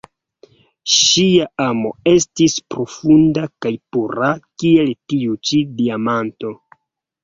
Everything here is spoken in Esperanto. Ŝia amo estis profunda kaj pura, kiel tiu ĉi diamanto.